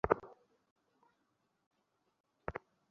এক গ্লাস জল দাও, প্লিজ।